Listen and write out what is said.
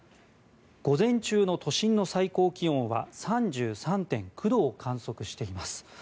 午前中の都心の最高気温は３３．９度を観測しています。